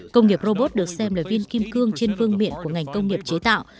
công nghiệp robot được xem là viên kim cương trên phương miệng của ngành công nghiệp chế tạo